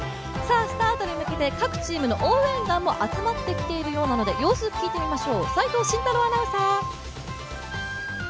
スタートに向けて各チームの応援団も集まってきているようなので様子聞いてみましょう。